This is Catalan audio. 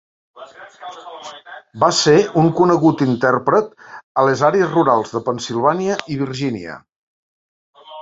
Va ser un conegut intèrpret a les àrees rurals de Pennsilvània i Virgínia.